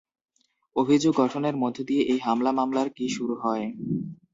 অভিযোগ গঠনের মধ্য দিয়ে এই হামলা মামলার কি শুরু হয়?